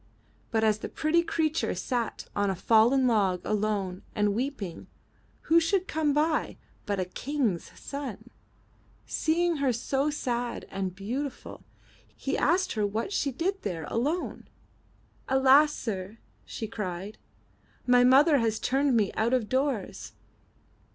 But as the pretty creature sat on a fallen log alone and weeping, who should come by but a King's son. Seeing her so sad and beautiful, he asked her what she did there alone. AlaS; sir," she cried, my mother has turned me out of doors."